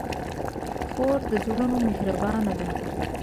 خور د زړونو مهربانه ده.